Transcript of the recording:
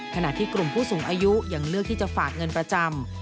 ขณะที่กลุ่มผู้สูงอายุยังเลือกที่จะฝากเงินประจำ